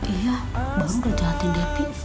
iya baru ngejahatin dapik